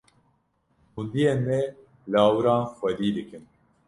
Gundiyên me, lawiran xwedî dikin.